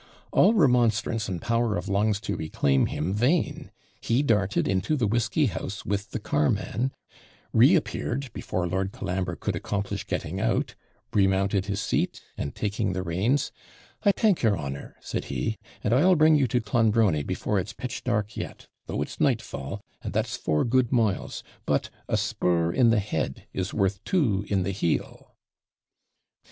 All remonstrance and power of lungs to reclaim him vain! He darted into the whisky house with the carman reappeared before Lord Colambre could accomplish getting out, remounted his seat, and, taking the reins, 'I thank your honour,' said he; 'and I'll bring you into Clonbrony before it's pitch dark yet, though it's nightfall, and that's four good miles, but "a spur in the head is worth two in the heel."'